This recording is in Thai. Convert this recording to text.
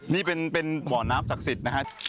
นี่เป็นบ่อน้ำศักดิ์สิทธิ์นะฮะ